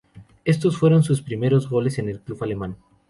Estos fueron sus primeros goles en el club alemán.